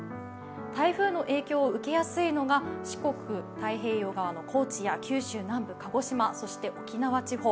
台風の影響を受けやすいのが四国太平洋側の高知や九州、そして沖縄地方。